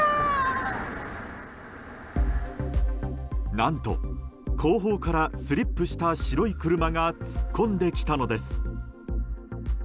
何と後方からスリップした白い車が突っ込んできたのです。